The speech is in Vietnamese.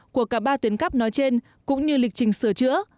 của cả ba tuyến cắp nói trên cũng như lịch trình sửa chữa